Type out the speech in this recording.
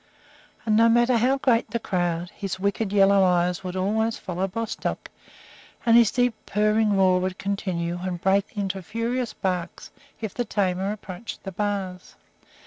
And no matter how great the crowd, his wicked yellow eyes would always follow Bostock, and his deep, purring roar would continue and break into furious barks if the tamer approached the bars.